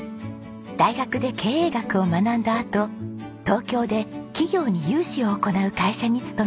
大学で経営学を学んだあと東京で企業に融資を行う会社に勤めました。